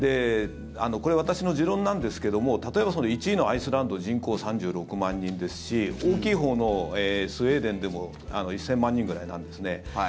これ、私の持論なんですけども例えば、１位のアイスランド人口３６万人ですし大きいほうのスウェーデンでも１０００万人くらいなんですね。